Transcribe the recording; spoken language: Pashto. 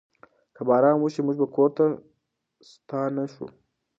که باران وشي، موږ به کور ته ستانه شو.